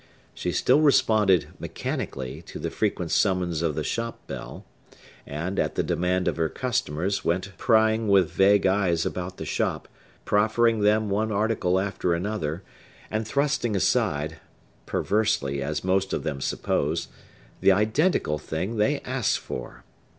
She still responded, mechanically, to the frequent summons of the shop bell, and, at the demand of her customers, went prying with vague eyes about the shop, proffering them one article after another, and thrusting aside—perversely, as most of them supposed—the identical thing they asked for.